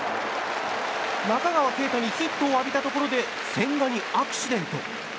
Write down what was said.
中川圭太にヒットを浴びたところで千賀にアクシデント。